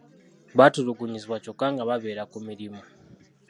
Batulugunyizibwa kyokka nga babeera ku mirimu.